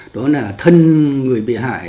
đó là thân người bị hại